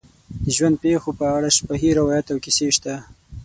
د ژوند پېښو په اړه شفاهي روایات او کیسې شته.